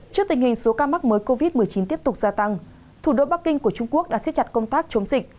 trước tình hình số ca mắc mới covid một mươi chín tiếp tục gia tăng thủ đô bắc kinh của trung quốc đã xếp chặt công tác chống dịch